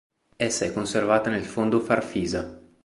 Essa è conservata nel fondo "Farfisa.